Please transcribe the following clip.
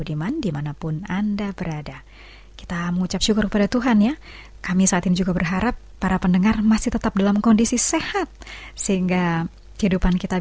dan menjadi berkat bagi kita semua